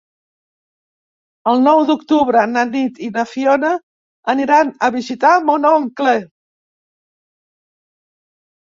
El nou d'octubre na Nit i na Fiona aniran a visitar mon oncle.